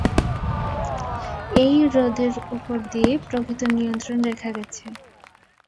এই হ্রদের ওপর দিয়ে প্রকৃত নিয়ন্ত্রণ রেখা গেছে।